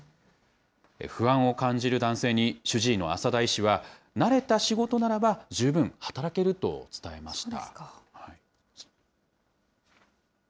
不安を感じる男性に、主治医の朝田医師は、慣れた仕事ならば十分働けると伝えました。